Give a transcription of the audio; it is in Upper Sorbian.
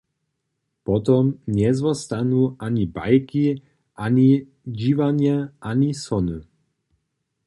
Potom njezwostanu ani bajki ani dźiwanje ani sony.